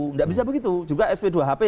tidak bisa begitu juga sp dua hp